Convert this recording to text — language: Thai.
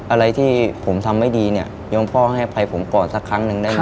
อะไรที่ผมทำไม่ดีเนี่ยยมพ่อให้อภัยผมก่อนสักครั้งหนึ่งได้ไหม